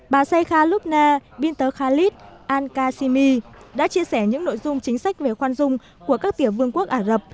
bà saykha lubna bint khalid al qasimi đã chia sẻ những nội dung chính sách về khoan dung của các tiểu vương quốc ả rập